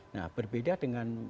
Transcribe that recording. nah berbeda dengan